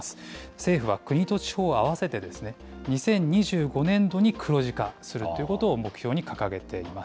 政府は、国と地方を合わせて、２０２５年度に黒字化するっていうことを目標に掲げています。